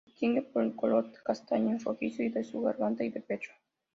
Se distingue por el color castaño rojizo de su garganta y pecho.